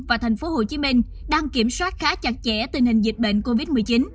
và thành phố hồ chí minh đang kiểm soát khá chặt chẽ tình hình dịch bệnh covid một mươi chín